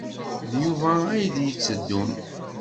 D Yuba ay d-yetteddun.